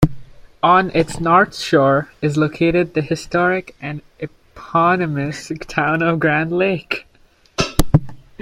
On its north shore is located the historic and eponymous town of Grand Lake.